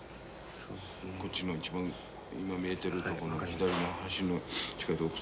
こっちの一番今見えとるとこの左の端の。